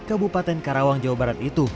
kabupaten karawang jawa barat itu